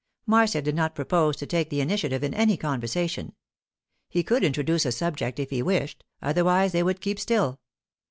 Marcia did not propose to take the initiative in any conversation; he could introduce a subject if he wished, otherwise they would keep still.